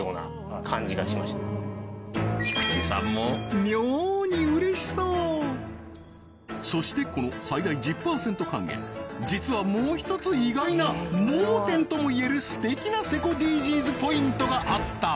菊地さんも妙にそしてこの最大１０％還元実はもう１つ意外な盲点ともいえるすてきなセコＤＧｓポイントがあった